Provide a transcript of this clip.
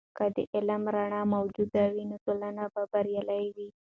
که د علم رڼا موجوده وي، نو ټولنه به بریالۍ وي.